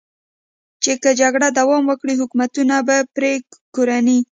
چې که جګړه دوام وکړي، حکومت به یې پر کورنۍ.